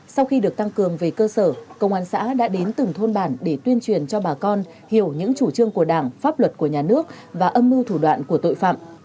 sau khi được tăng cường về cơ sở công an xã đã đến từng thôn bản để tuyên truyền cho bà con hiểu những chủ trương của đảng pháp luật của nhà nước và âm mưu thủ đoạn của tội phạm